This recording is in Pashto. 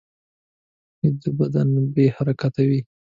ویده بدن بې حرکته وي